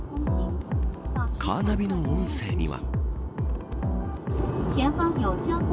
カーナビの音声には。